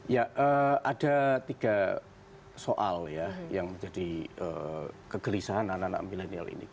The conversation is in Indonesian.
ya ada tiga soal ya yang menjadi kegelisahan anak anak milenial ini